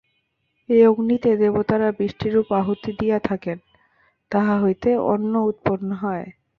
এই অগ্নিতে দেবতারা বৃষ্টিরূপ আহুতি দিয়া থাকেন, তাহা হইতে অন্ন উৎপন্ন হয়।